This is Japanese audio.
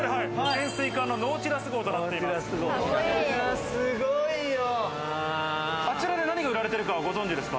潜水艦のノーチラス号となっています。